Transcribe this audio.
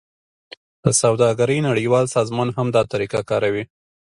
د سوداګرۍ نړیوال سازمان هم دا طریقه کاروي